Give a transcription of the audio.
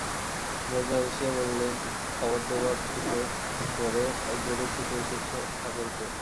নীরজা হেসে বললে, খবর দেবার ছুতো করে একদৌড়ে ছুটে এসেছ ঠাকুরপো!